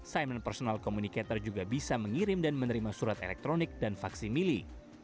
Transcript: simon personal communicator juga bisa mengirim dan menerima surat elektronik dan vaksin milih